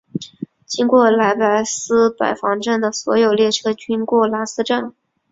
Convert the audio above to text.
经过兰斯白房站的所有列车均经过兰斯站。